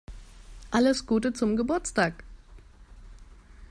Alles Gute zum Geburtstag!